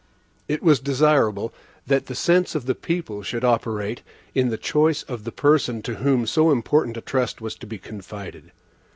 (E1) It was desirable that the sense of the people should operate in the choice of the person to whom so important a trust was to be confided.